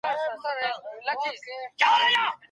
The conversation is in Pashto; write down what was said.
آیا د نویو کتابونو پېرل د مطالعې ذوق زیاتوي؟